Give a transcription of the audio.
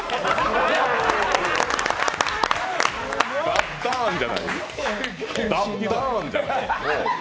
ダッダーン！じゃない。